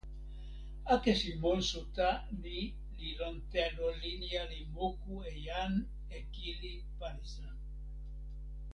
akesi monsuta ni li lon telo linja li moku e jan e kili palisa.